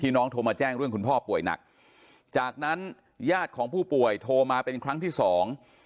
น้องโทรมาแจ้งเรื่องคุณพ่อป่วยหนักจากนั้นญาติของผู้ป่วยโทรมาเป็นครั้งที่สอง